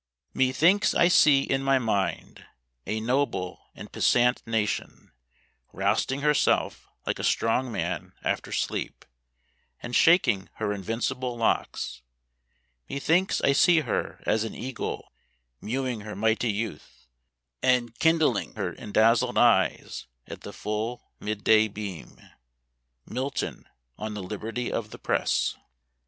Methinks I see in my mind a noble and puissant nation, rousting herself like a strong man after sleep, and shaking her invincible locks; methinks I see her as an eagle, mewing her mighty youth, and kindling her endazzled eyes at the full mid day beam. MILTON ON THE LIBERTY OF THE PRESS.